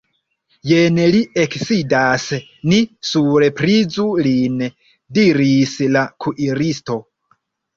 Jen li eksidas, ni surprizu lin, diris la kuiristo.